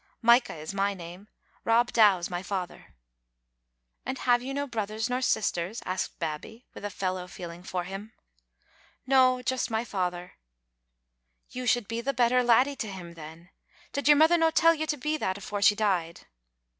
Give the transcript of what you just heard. " Micah is my name. Rob Dow's my father." " And have you no brothers nor sisters?" asked Bab bie, with a fellow feeling for him. " No, juist my father, " he said. " You should be the better laddie to him then. Did your mither no tell you to be that afore she died?"